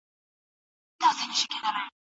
هغه ماشوم چې په خپله ژبه ږغېږي زړور وي.